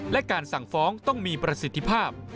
และการสั่งฟ้องต้องมีประสิทธิภาพ